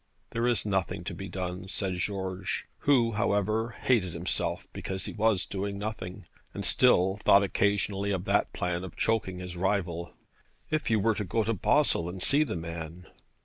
'There is nothing to be done,' said George, who, however, hated himself because he was doing nothing, and still thought occasionally of that plan of choking his rival. 'If you were to go to Basle and see the man?'